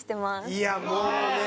いやもうね。